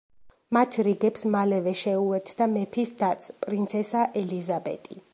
მათ რიგებს მალევე შეუერთდა მეფის დაც, პრინცესა ელიზაბეტი.